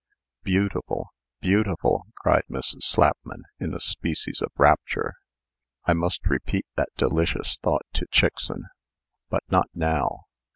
"Beautiful! beautiful!" cried Mrs. Slapman, in a species of rapture. "I must repeat that delicious thought to Chickson. But not now."